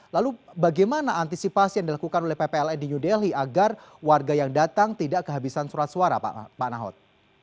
lalu bagaimana antisipasi yang dilakukan oleh ppln di new delhi agar warga yang datang tidak kehabisan surat suara pak nahot